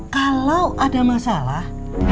kalau ada masalah